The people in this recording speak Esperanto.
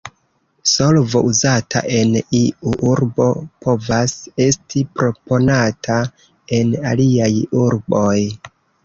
Solvo uzata en iu urbo povas esti proponata en aliaj urboj.